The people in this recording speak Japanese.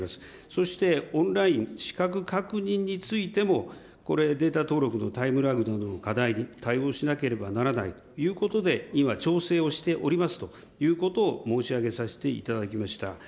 そしてオンライン、資格確認についても、これ、データ登録のタイムラグなどの課題に対応しなければならないということで今、調整をしておりますということを申し上げさせていただきました。